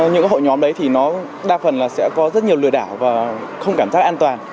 những hội nhóm đấy thì nó đa phần là sẽ có rất nhiều lừa đảo và không cảm giác an toàn